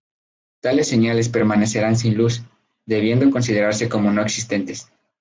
Tales señales permanecerán sin luz, debiendo considerarse como no existentes.